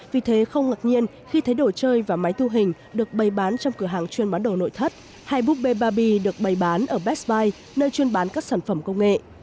vì thế không ngạc nhiên khi thấy đồ chơi và máy thu hình được bày bán trong cửa hàng chuyên bán đồ nội thất hay búp bê baby được bày bán ở besbile nơi chuyên bán các sản phẩm công nghệ